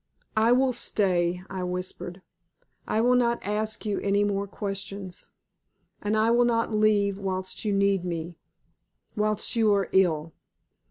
"I will stay," I whispered. "I will not ask you any more questions, and I will not leave whilst you need me whilst you are ill."